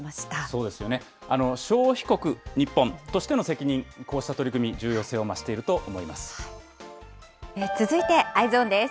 そうですよね、消費国、日本としての責任、こうした取り組み、続いて、Ｅｙｅｓｏｎです。